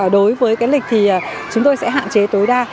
đối với lịch thì chúng tôi sẽ hạn chế tối đa